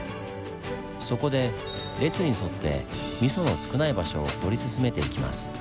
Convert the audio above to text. そこで列に沿ってミソの少ない場所を掘り進めていきます。